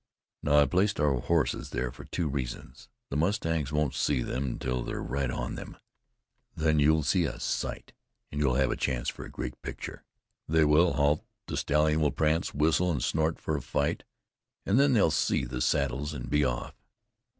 "Now I placed our horses there for two reasons. The mustangs won't see them till they're right on them. Then you'll see a sight and have a chance for a great picture. They will halt; the stallion will prance, whistle and snort for a fight, and then they'll see the saddles and be off.